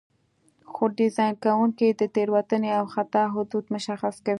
خو ډیزاین کوونکي د تېروتنې او خطا حدود مشخص کوي.